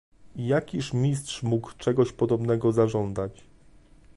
"I jakiż mistrz mógł czegoś podobnego zażądać?"